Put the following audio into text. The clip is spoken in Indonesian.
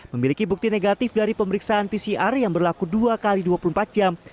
memiliki bukti negatif dari pemeriksaan pcr yang berlaku dua x dua puluh empat jam